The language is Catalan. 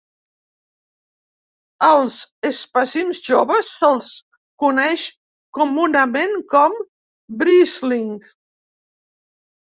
Als espasins joves se'ls coneix comunament com "brisling".